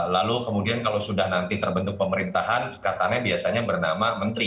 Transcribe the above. lalu kemudian kalau sudah nanti terbentuk pemerintahan ikatannya biasanya bernama menteri